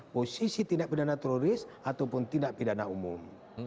posisi tindak pidana teroris ataupun tindak pidana umum